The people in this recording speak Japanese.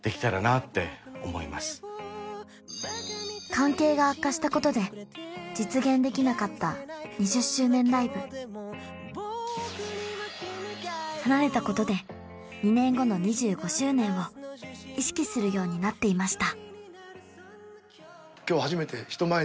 関係が悪化したことで実現できなかった２０周年ライブ離れたことで２年後の２５周年を意識するようになっていました